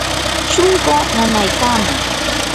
shunquu nanaykaman.